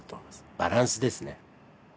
バランスですね。